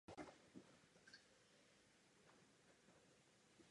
Má dceru a dva syny.